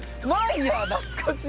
懐かしい。